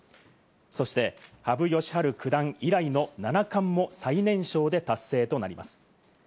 そして羽生善治九段以来の七冠も最年少で達成となります。